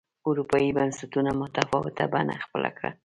اروپایي بنسټونو متفاوته بڼه خپله کړه